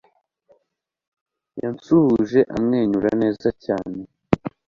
Yansuhuje amwenyura neza cyane.